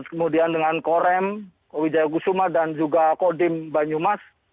kemudian dengan korem widjaya gusuma dan juga kodim banyumas